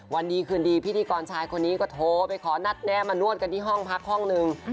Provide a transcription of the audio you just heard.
วันดีคืนดีพิธีกรชายคนนี้ก็โทรไปขอนัดแนะมานวดกันที่ห้องพักห้องหนึ่ง